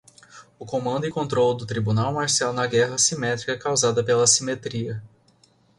O comando e controlo do tribunal marcial na guerra assimétrica causada pela assimetria